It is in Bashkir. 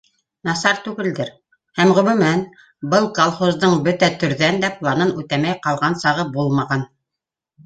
Насар түгелдәр, һәм, ғөмүмән, был колхоздың бөтә төрҙән дә планын үтәмәй ҡалған сағы булмаған.